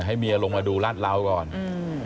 ให้เมียลงมาดูราดเหลาเสร็จแล้วก่อน